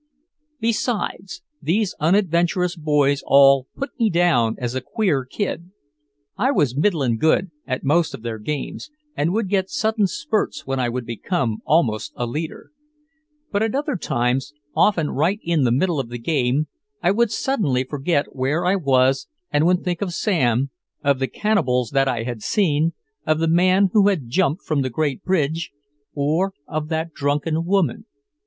Besides, these unadventurous boys all put me down as "a queer kid." I was middling good at most of their games and would get sudden spurts when I would become almost a leader. But at other times, often right in the middle of a game, I would suddenly forget where I was and would think of Sam, of the cannibals that I had seen, of the man who had jumped from the Great Bridge, or of that drunken woman.